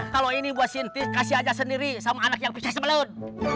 kalau ini buat sintis kasih aja sendiri sama anak yang pecah sebelut